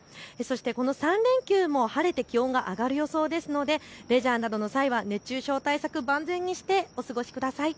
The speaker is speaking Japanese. この３連休も晴れて気温が上がる予想ですのでレジャーなどの際は熱中症対策、万全にしてお過ごしください。